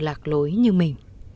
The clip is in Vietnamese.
lạc lối như mình